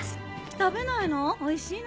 食べないの？